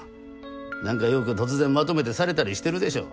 何かよく突然まとめてされたりしてるでしょ